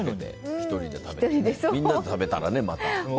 みんなで食べたらね、また。